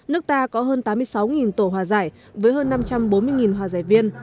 nước ta có hơn tám mươi sáu tổ hòa giải với hơn năm trăm bốn mươi hòa giải viên